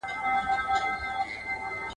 یو څه له پاسه یو څه له ځانه!.